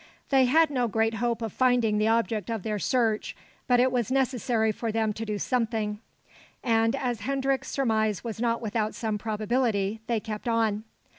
They had no great hope of finding the object of their search, but it was necessary for them to do something; and, as Hendrik's surmise was not without some probability, they kept on.